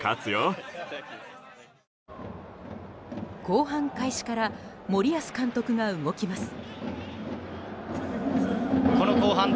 後半開始から森保監督が動きます。